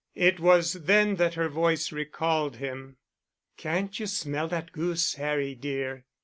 It was then that her voice recalled him. "Can't you smell that goose, Harry dear?"